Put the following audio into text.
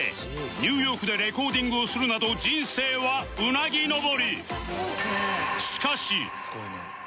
ニューヨークでレコーディングをするなど人生はうなぎ登り